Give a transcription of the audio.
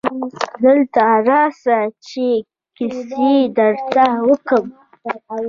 دلته راسه چي کیسه درته وکم.